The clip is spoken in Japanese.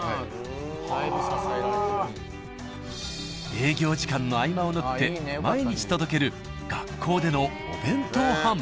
営業時間の合間を縫って毎日届ける学校でのお弁当販売。